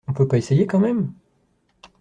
On peut pas essayer quand même?